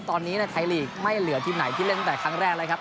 ตอนนี้ในไทยลีกไม่เหลือทีมไหนที่เล่นแต่ครั้งแรกเลยครับ